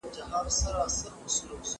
هغه وويل چي کتابونه ګټور دي!؟